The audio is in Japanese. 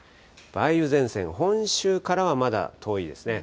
梅雨前線、本州からはまだ遠いですね。